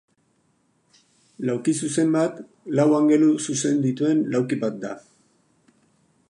Laukizuzen bat lau angelu zuzen dituen lauki bat da.